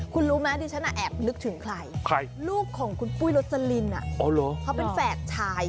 คุณรู้ไหมดิฉันแอบนึกถึงใครลูกของคุณปุ้ยโรสลินเขาเป็นแฝดชาย